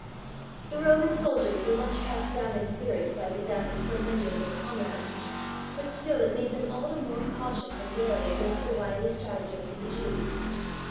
The Roman soldiers were much cast down in spirits by the death of so many of their comrades, but still it made them all the more cautious and wary against the wily stratagems of the Jews.